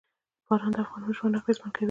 باران د افغانانو ژوند اغېزمن کوي.